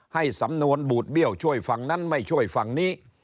ให้สำนวนบูดเบี้ยวช่วยฝั่งนั้นไม่ช่วยฝั่งนี้